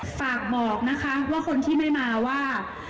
ฝากบอกนะคะว่าคนที่ไม่มาว่า